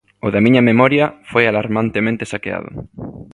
O da miña memoria foi alarmantemente saqueado.